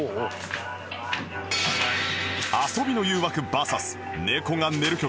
遊びの誘惑 ＶＳ 猫が寝る曲